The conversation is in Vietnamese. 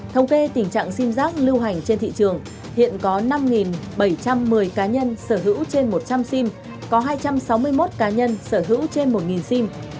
thống kê tình trạng sim giác lưu hành trên thị trường hiện có năm bảy trăm một mươi cá nhân sở hữu trên một trăm linh sim có hai trăm sáu mươi một cá nhân sở hữu trên một sim